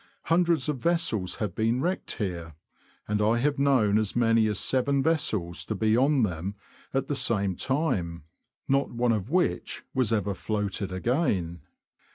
Hundreds of vessels have been wrecked here, and I have known as many as seven vessels to be on them at the same time, not one of which was ever floated again.